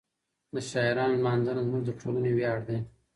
د شاعرانو لمانځنه زموږ د ټولنې ویاړ دی.